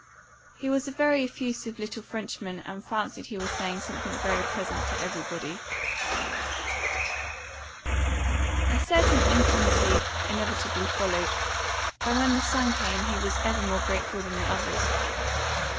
He was a very effusive little Frenchman, and fancied he was saying something very pleasant to everybody. A certain intimacy inevitably followed, and when the son came he was even more grateful than the others.